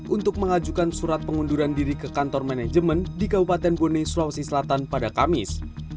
untuk mengajukan surat pengunduran diri ke kantor manajemen di kabupaten bone sulawesi selatan pada kamis